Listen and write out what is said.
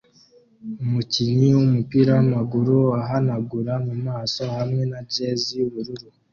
Umukinnyi wumupira wamaguru ahanagura mumaso hamwe na jersey yubururu